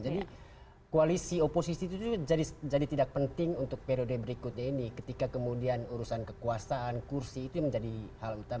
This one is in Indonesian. jadi koalisi oposisi itu jadi tidak penting untuk periode berikut